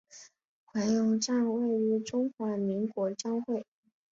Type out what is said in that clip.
回龙站位于中华民国交会。